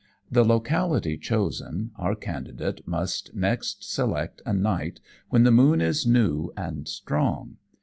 The locality chosen, our candidate must next select a night when the moon is new and strong.